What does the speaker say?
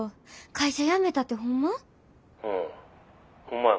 会社辞めたってホンマ？